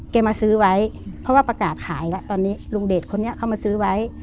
มาซื้อไว้เพราะว่าประกาศขายแล้วตอนนี้ลุงเดชคนนี้เขามาซื้อไว้